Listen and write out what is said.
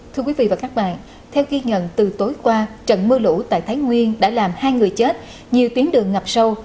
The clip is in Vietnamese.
thưa quý vị và các bạn theo ghi nhận từ tối qua trận mưa lũ tại thái nguyên đã làm hai người chết nhiều tuyến đường ngập sâu